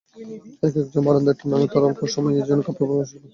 একেকজন বারান্দায় টানানো তারে অল্প সময়ের জন্য কাপড় শুকানোর সুযোগ পান।